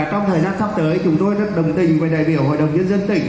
trong thời gian sắp tới chúng tôi rất đồng tình với đại biểu hội đồng nhân dân tỉnh